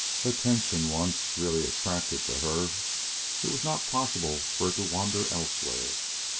Attention once really attracted to her, it was not possible for it to wander elsewhere.